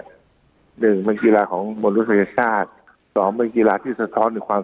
หนึ่งเป็นกีฬาของมนุษยชาติสองเป็นกีฬาที่สะท้อนถึงความ